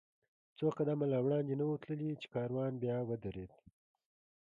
څو قدمه لا وړاندې نه و تللي، چې کاروان بیا ودرېد.